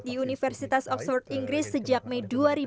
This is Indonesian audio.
di universitas oxford inggris sejak mei dua ribu dua